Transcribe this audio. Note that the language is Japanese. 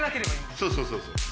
そうそうそうそう。